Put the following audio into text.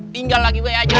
tinggal lagi baik aja